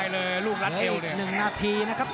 เหลือหนึ่งนาทีนะครับ